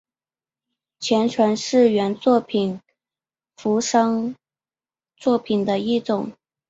前传是原作品衍生作品的一种。